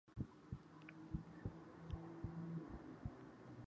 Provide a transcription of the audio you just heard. One train per day runs in each direction, but this not a 'luxury' service.